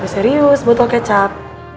serius botol kecap